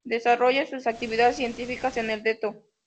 Desarrolla sus actividades científicas en el "Dto.